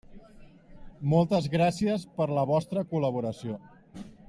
Moltes gràcies per la vostra col·laboració.